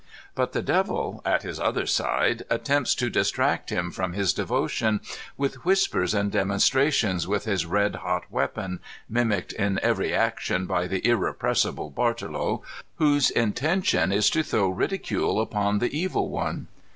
But the Devil, at his other side, attempts to distract him from his devotion with whispers and demonstrations with his red hot weapon, mimicked in eveiy action by the irrepressible Bartolo, whose intention is to throw ridicule upon the Evil One.